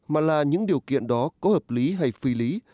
mà là những điều kiện đó có hợp lý hay phi lý